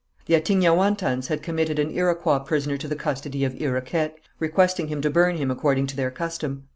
The Attignaouantans had committed an Iroquois prisoner to the custody of Iroquet, requesting him to burn him according to their custom.